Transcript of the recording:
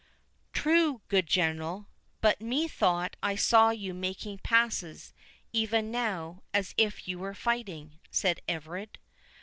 "True, good General; but methought I saw you making passes, even now, as if you were fighting," said Everard.